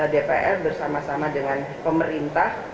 dpr bersama sama dengan pemerintah